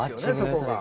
そこが。